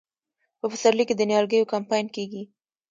په پسرلي کې د نیالګیو کمپاین کیږي.